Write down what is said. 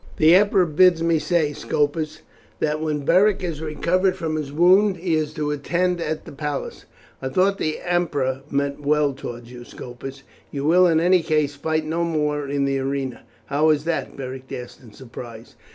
"The emperor bids me say, Scopus, that when Beric is recovered from his wound he is to attend at the palace." "I thought the emperor meant well towards you," Scopus said. "You will in any case fight no more in the arena." "How is that?" Beric asked in surprise.